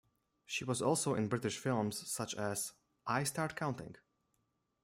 She was also in British films such as "I Start Counting".